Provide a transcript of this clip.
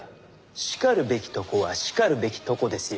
しかるべきとこはしかるべきとこですよ。